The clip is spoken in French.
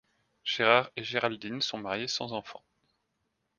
Gérard et Géraldine sont mariés sans enfants.